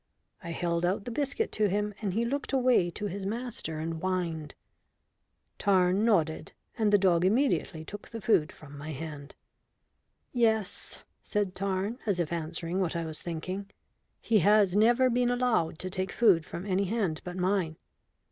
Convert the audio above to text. I held out the biscuit to him, and he looked away to his master and whined. Tarn nodded, and the dog immediately took the food from my hand. "Yes," said Tarn, as if answering what I was thinking, "he has never been allowed to take food from any hand but mine.